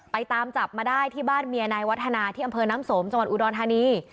ตามจับมาได้ที่บ้านเมียนายวัฒนาที่อำเภอน้ำสมจังหวัดอุดรธานี